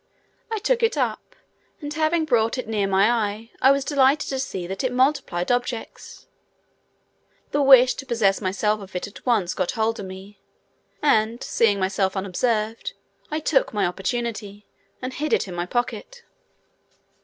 I took it up, and having brought it near my eyes I was delighted to see that it multiplied objects. The wish to possess myself of it at once got hold of me, and seeing myself unobserved I took my opportunity and hid it in my pocket.